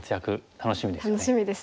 楽しみですね。